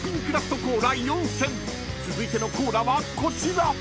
［続いてのコーラはこちら］